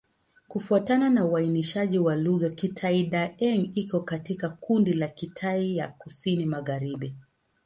Kufuatana na uainishaji wa lugha, Kitai-Daeng iko katika kundi la Kitai ya Kusini-Magharibi.